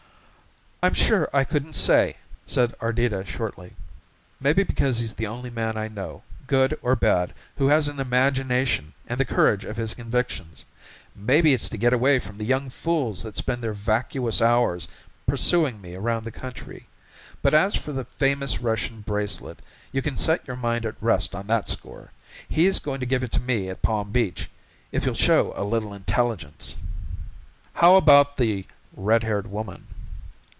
"I'm sure I couldn't say," said Audits shortly. "Maybe because he's the only man I know, good or bad, who has an imagination and the courage of his convictions. Maybe it's to get away from the young fools that spend their vacuous hours pursuing me around the country. But as for the famous Russian bracelet, you can set your mind at rest on that score. He's going to give it to me at Palm Beach if you'll show a little intelligence." "How about the red haired woman?"